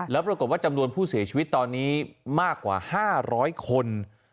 แล้วปรากฏว่าจำนวนผู้เสียชีวิตตอนนี้มากกว่า๕๐๐คน